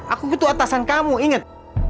aku butuh atasan kamu inget